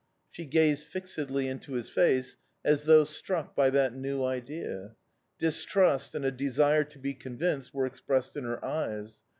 "She gazed fixedly into his face, as though struck by that new idea. Distrust and a desire to be convinced were expressed in her eyes.